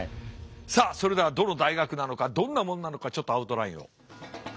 さあそれではどの大学なのかどんなもんなのかちょっとアウトラインを。